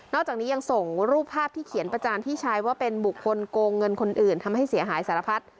จากนี้ยังส่งรูปภาพที่เขียนประจานพี่ชายว่าเป็นบุคคลโกงเงินคนอื่นทำให้เสียหายสารพัด